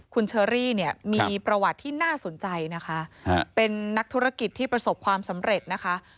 คุณเชอรี่เนี่ยมีประวัติที่น่าสนใจนะคะเป็นนักธุรกิจที่ประสบความสำเร็จนะคะ